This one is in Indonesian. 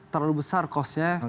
terlalu besar kosnya